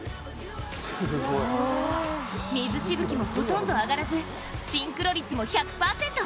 水しぶきもほとんど上がらずシンクロ率も１００％。